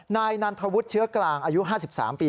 นายนันทวุฒิเชื้อกลางอายุ๕๓ปี